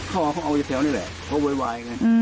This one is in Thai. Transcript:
เขาเอาแถวนี้แหละเขาเว้ยไง